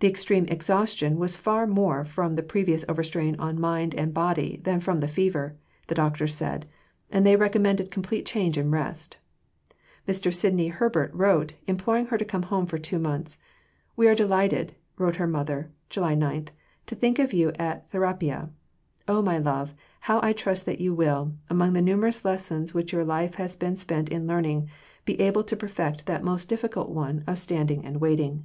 The extreme exhaustion was more from the previous overstrain on mind and body than from the fever, the doctors said, and they recommended complete change and rest. Mr. Sidney Herbert wrote, imploring her to come home for two months: "We are delighted," wrote her mother (July 9), "to think of you at Therapia. Oh, my love, how I trust that you will, among the numerous lessons which your life has been spent in learning, be able to perfect that most difficult one of standing and waiting."